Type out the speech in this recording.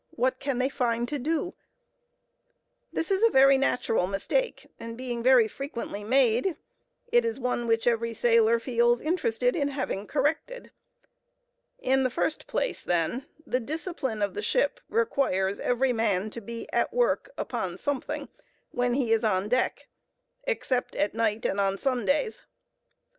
what can they find to do?" This is a very natural mistake, and being very frequently made, it is one which every sailor feels interested in having corrected. In the first place, then, the discipline of the ship requires every man to be at work upon something when he is on deck, except at night and on Sundays.